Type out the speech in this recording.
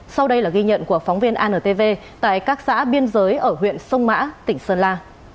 sau đây là ghi nhận của phóng viên antv tại các xã biên giới ở huyện sông mã tỉnh sơn la